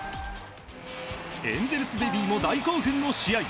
エンゼルスベビーも大興奮の試合。